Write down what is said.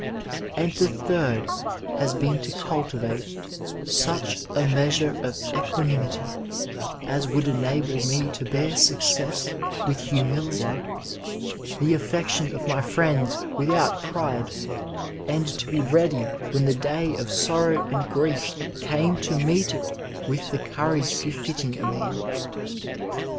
And the third has been to cultivate such a measure of equanimity as would enable me to bear success with humil ity, the affection of my friends without pride and to be ready when the day of sorrow and grief came to meet it with the courage befitting a man.